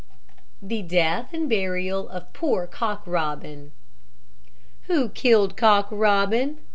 THE DEATH AND BURIAL OF POOR COCK ROBIN Who killed Cock Robin?